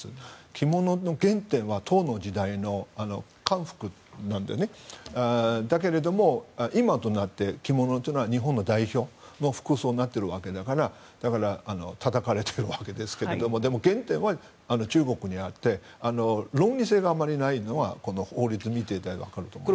着物の原点は唐の漢服なのでだけれど、今となっては着物は日本の代表の服装になっているわけだからだからたたかれているわけですがでも原点は中国にあって論理性があまりないのは法律を見ていただければわかると思います。